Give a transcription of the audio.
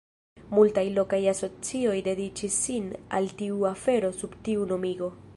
Multaj lokaj asocioj dediĉis sin al tiu afero sub tiu nomigo.